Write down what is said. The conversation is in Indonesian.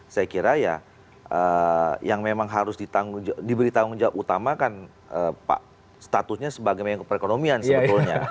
saya kira ya yang memang harus diberi tanggung jawab utama kan statusnya sebagai menko perekonomian sebetulnya